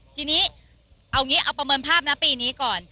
ทีนี้เอางี้เอาประเมินภาพนะปีนี้ก่อน